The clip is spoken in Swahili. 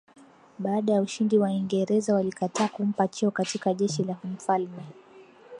Baada ya ushindi Waingereza walikataa kumpa cheo katika jeshi la mfalme